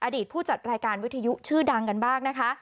ผู้จัดรายการวิทยุชื่อดังกันบ้างนะคะ